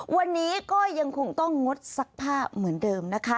วันนี้ก็ยังคงต้องงดซักผ้าเหมือนเดิมนะคะ